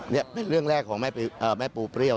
นี่เป็นเรื่องแรกของแม่ปูเปรี้ยว